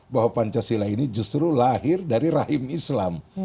bahwa pancasila ini justru lahir dari rahim islam